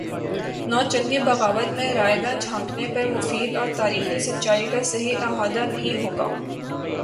نوچندی بغاوت میں رائیگاں جھانکنے پر مفید اور تاریخی سچائی کا صحیح اعادہ نہیں ہو گا